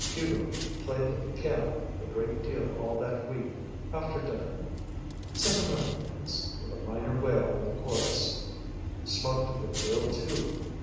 Hugo played the piano a great deal all that week, after dinner. Sentimental things, with a minor wail in the chorus. Smoked a good deal, too.